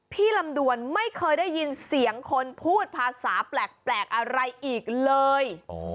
ลำดวนไม่เคยได้ยินเสียงคนพูดภาษาแปลกอะไรอีกเลย